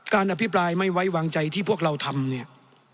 อภิปรายไม่ไว้วางใจที่พวกเราทำเนี่ย